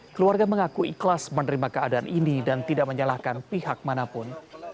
keluarga mengaku ikhlas menerima keadaan ini dan tidak menyalahkan pihak manapun